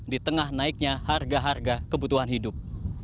di tengah naiknya harga harga kebutuhan hidup